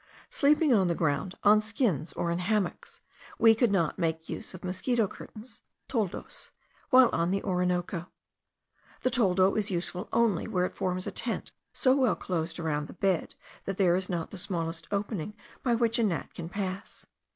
Sleeping on the ground, on skins, or in hammocks, we could not make use of mosquito curtains (toldos) while on the Orinoco. The toldo is useful only where it forms a tent so well closed around the bed that there is not the smallest opening by which a gnat can pass.